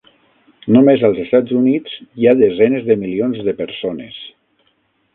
Només als Estats Units hi ha desenes de milions de persones.